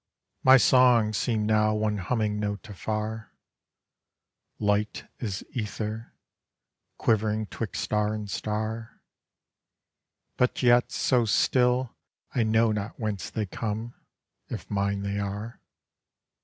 My songs seem now one humming note afar: Light as ether, quivering 'twixt star and star, But yet, so still I know not whence they come, if mine they are.